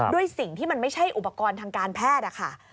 ด้วยสิ่งที่มันไม่ใช่อุปกรณ์ทางการแพทย์ค่ะ